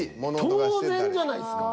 当然じゃないですか。